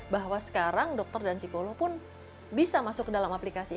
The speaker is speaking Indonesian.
bahwa sekarang dokter dan psikolog pun bisa masuk ke dalam aplikasi